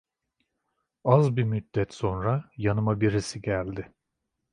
Az bir müddet sonra yanıma birisi geldi.